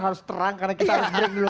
harus terang karena kita harus break dulu